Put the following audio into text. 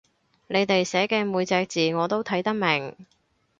你哋寫嘅每隻字我都睇得明